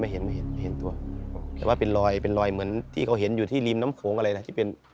เห็นไม่เห็นไม่เห็นตัวแต่ว่าเป็นรอยเป็นรอยเหมือนที่เขาเห็นอยู่ที่ริมน้ำโขงอะไรนะที่เป็น